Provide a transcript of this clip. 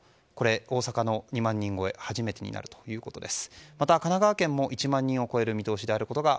大阪の２万人超え初めてになるということです。